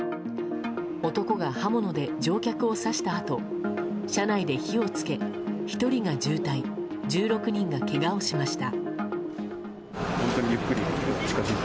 男が刃物で乗客を刺したあと車内に火を付け１人が重体１６人がけがをしました。